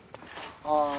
ああ。